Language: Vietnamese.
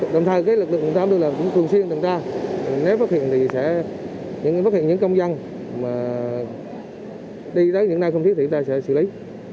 đồng thời lực lượng cũng thường xuyên tuần tra nếu phát hiện thì sẽ phát hiện những công dân mà đi đến những nơi không thiết thì chúng ta sẽ xử lý